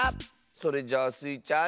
それじゃあスイちゃん